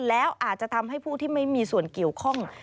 แล้วอาจจะทำให้ผู้ที่ไม่มีส่วนเกี่ยวข้อง